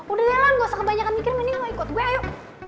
udah lelan gak usah kebanyakan mikir mending lo ikut gue ayo